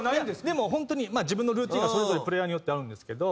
でも本当に自分のルーティンがそれぞれプレーヤーによってあるんですけど。